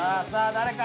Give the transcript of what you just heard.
誰か？